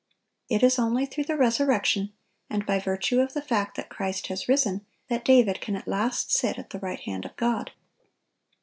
It is only through the resurrection, and by virtue of the fact that Christ has risen, that David can at last sit at the right hand of God.